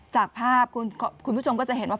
จากภาพคุณผู้ชมก็จะเห็นว่า